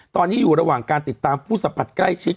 ตอนนี้อยู่ระหว่างการติดตามผู้สัมผัสใกล้ชิด